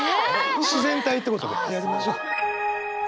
自然体ってことでやりましょう。